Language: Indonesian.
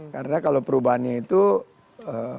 karena kalau perubahannya itu ee